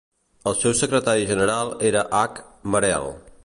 El seu secretari general era H. Merel.